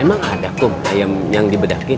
emang gaada kum ayam yang dibedakin